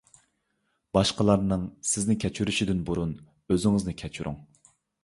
باشقىلارنى سىزنى كەچۈرۈشىدىن بۇرۇن، ئۆزىڭىزنى كەچۈرۈڭ.